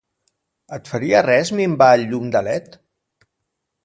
Et faria res minvar el llum de led?